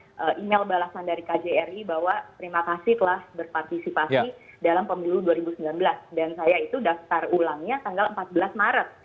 kjri bawa terima kasih telah berpartisipasi dalam pemilu dua ribu sembilan belas dan saya itu daftar ulangnya tanggal empat belas maret